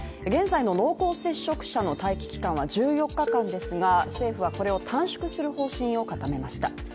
現在の濃厚接触者の待機期間は１４日間ですが、政府はこれを短縮する方針を固めました。